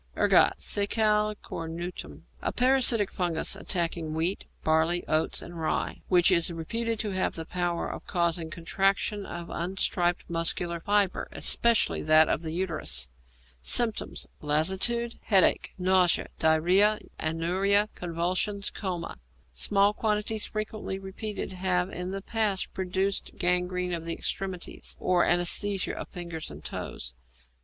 =Ergot= (Secale Cornutum). A parasitic fungus attacking wheat, barley, oats, and rye, which is reputed to have the power of causing contraction of unstriped muscular fibre, especially that of the uterus. Symptoms. Lassitude, headache, nausea, diarrhoea, anuria, convulsions, coma. Small quantities frequently repeated have in the past produced gangrene of the extremities, or anæsthesia of fingers and toes.